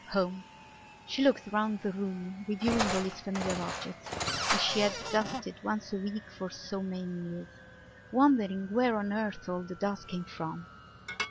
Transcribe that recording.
Home! She looked round the room, reviewing all its familiar objects which she had dusted once a week for so many years, wondering where on earth all the dust came from.